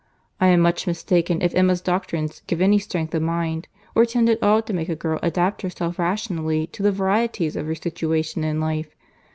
I am much mistaken if Emma's doctrines give any strength of mind, or tend at all to make a girl adapt herself rationally to the varieties of her situation in life.